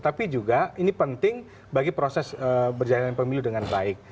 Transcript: tapi juga ini penting bagi proses berjalanan pemilu dengan baik